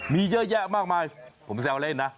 มีเยอะแยะมากมายผมแซวเล่นนะ